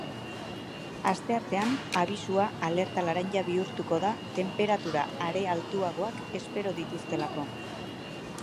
Asteartean, abisua alerta laranja bihurtuko da tenperatura are altuagoak espero dituztelako.